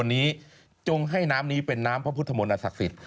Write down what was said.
ให้ให้น้ำนี้เป็นน้ำภพพุทธมนต์นาศักดิ์โศษ